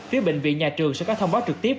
phía bệnh viện nhà trường sẽ có thông báo trực tiếp